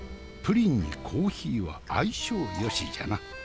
プリンにコーヒーは相性よしじゃな。